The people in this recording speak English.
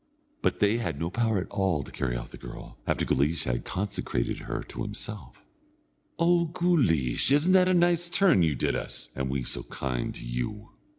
But they had no power at all to carry off the girl, after Guleesh had consecrated her to himself. "O Guleesh, isn't that a nice turn you did us, and we so kind to you?